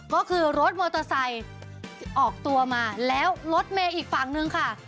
ก็คือรถมอเตอร์ไซค์ออกตัวมาแล้วรถเมย์อีกฝั่งนึงค่ะ